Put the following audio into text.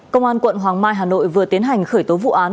công an quận hoàng mai hà nội vừa tiến hành khởi tố vụ án